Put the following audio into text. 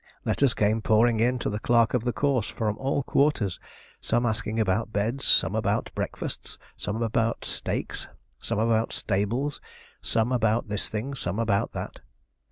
Letters came pouring in to the clerk of the course from all quarters; some asking about beds; some about breakfasts; some about stakes; some about stables; some about this thing, some about that.